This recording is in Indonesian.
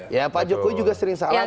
ya pak jokowi juga sering salah